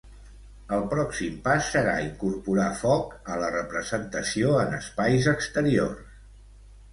El pròxim pas serà incorporar foc a la representació en espais exteriors.